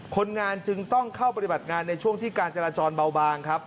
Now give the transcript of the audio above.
คนงานจึงต้องเข้าปฏิบัติงานในช่วงที่การจราจรเบาบางครับ